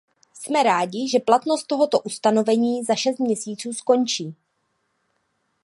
Jsme rádi, že platnost tohoto ustanovení za šest měsíců skončí.